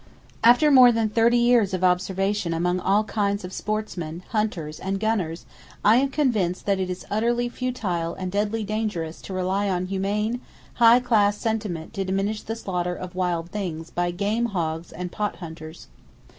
After more than thirty years of observation among all kinds of sportsmen, hunters and gunners, I am convinced that it is utterly futile and deadly dangerous to rely on humane, high class sentiment to diminish the slaughter of wild things by game hogs and pot hunters.